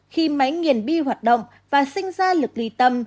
khi máy nghiền bi hoạt động và sinh ra lực ly tâm